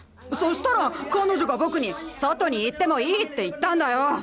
そしたら彼女が僕に「外に行ってもいい」って言ったんだよ。